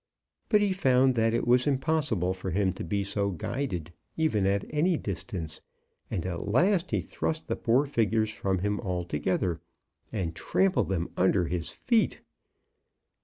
But he found that it was impossible for him to be so guided, even at any distance, and at last he thrust the poor figures from him altogether and trampled them under his feet.